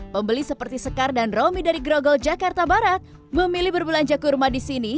pembeli seperti sekar dan romi dari grogol jakarta barat memilih berbelanja kurma di sini